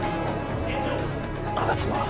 吾妻